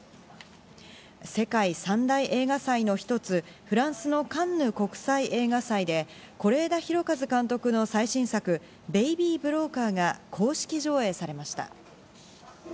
世界三大映画祭の一つ、フランスのカンヌ国際映画祭で是枝裕和監督の最新作『ベイビー・ブローカー』が公式上映されました。